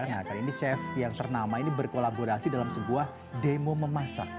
nah kali ini chef yang ternama ini berkolaborasi dalam sebuah demo memasak